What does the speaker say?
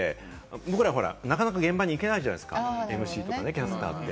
僕らなかなか現場に行けないじゃないですか、キャスターって。